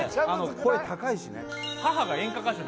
声高いしね